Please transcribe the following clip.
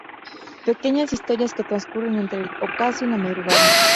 Pequeñas historias que transcurren entre el ocaso y la madrugada.